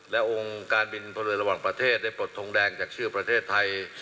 และองค์การบินพลเรือระหว่างประเทศได้ปลดทงแดงจากชื่อประเทศไทย